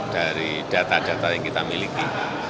dari data data yang kita miliki